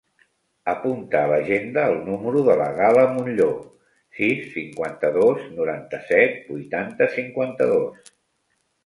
Apunta a l'agenda el número de la Gala Monllor: sis, cinquanta-dos, noranta-set, vuitanta, cinquanta-dos.